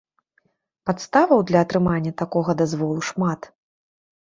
Падставаў для атрымання такога дазволу шмат.